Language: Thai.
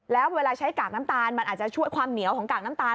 แล้วเวลาใช้กากน้ำตาลมันอาจจะช่วยความเหนียวของกากน้ำตาล